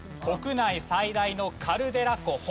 国内最大のカルデラ湖。